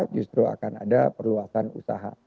justru akan ada perluasan usaha